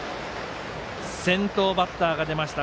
先頭バッターが出ました。